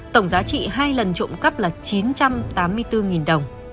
tổng giá trị hai lần trộm cắp là chín trăm tám mươi bốn đồng